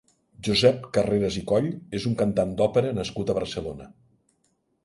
Josep Carreras i Coll és un cantant d'òpera nascut a Barcelona.